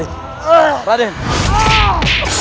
agar sampai mungkikassid